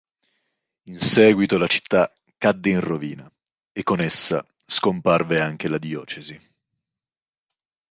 In seguito la città cadde in rovina e con essa scomparve anche la diocesi.